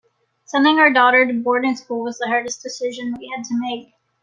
Sending our daughter to boarding school was the hardest decision we had to make.